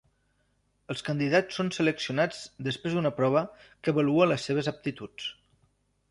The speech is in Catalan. Els candidats són seleccionats després d'una prova que avalua les seves aptituds.